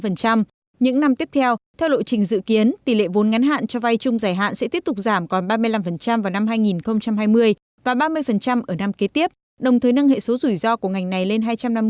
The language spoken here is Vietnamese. những năm tiếp theo theo lộ trình dự kiến tỷ lệ vốn ngắn hạn cho vay chung giải hạn sẽ tiếp tục giảm còn ba mươi năm vào năm hai nghìn hai mươi và ba mươi ở năm kế tiếp đồng thời nâng hệ số rủi ro của ngành này lên hai trăm năm mươi